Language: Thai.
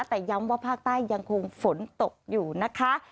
แต่ย้ำว่าภาคใต้ยังคงฝนตกอยู่นะคะ